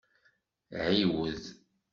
Ɛiwed!